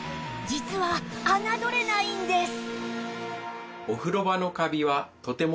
実は侮れないんです